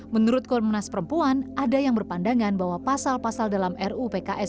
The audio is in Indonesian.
menurut komnas perempuan ada yang berpandangan bahwa pasal pasal dalam ruu pks